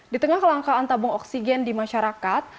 di tengah kelangkaan tabung oksigen di masyarakat